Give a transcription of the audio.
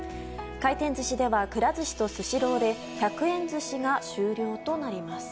回転寿司ではくら寿司とスシローで１００円寿司が終了となります。